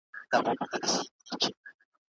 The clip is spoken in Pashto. څیړنې ښيي چې مرستې ته لاسرسی د ځوانانو لپاره مهم دی.